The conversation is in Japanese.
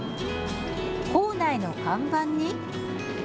構内の看板に。